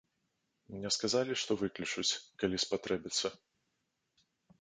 Мне сказалі, што выклічуць, калі спатрэбіцца.